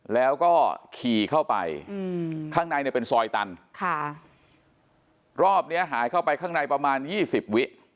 แล้วก็ขี่เข้าไปข้างในเนี่ยเป็นซอยตันค่ะรอบเนี้ยหายเข้าไปข้างในประมาณยี่สิบวิ